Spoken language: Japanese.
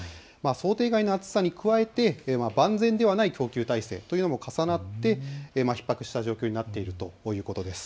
想定外の暑さに加えて万全ではない供給体制というのも重なりひっ迫した状況になっているということです。